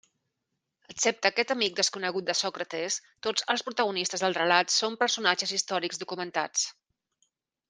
Excepte aquest amic desconegut de Sòcrates, tots els protagonistes del relat són personatges històrics documentats.